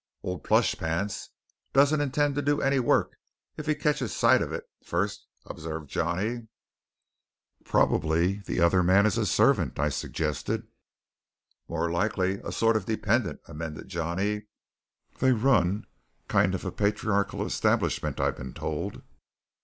"Old Plush Pants doesn't intend to do any work if he catches sight of it first," observed Johnny. "Probably the other man is a servant?" I suggested. "More likely a sort of dependent," amended Johnny. "They run a kind of patriarchal establishment, I've been told."